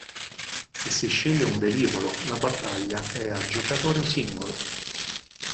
Se si sceglie un velivolo la battaglia è a giocatore singolo.